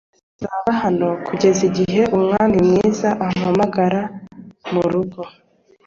nzaba hano 'kugeza igihe umwami mwiza ampamagara murugo